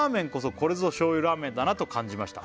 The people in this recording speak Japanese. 「これぞ醤油ラーメンだなと感じました」